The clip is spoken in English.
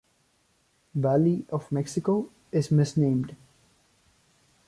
"Valley of Mexico" is misnamed.